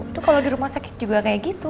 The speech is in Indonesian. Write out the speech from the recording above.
itu kalau di rumah sakit juga kayak gitu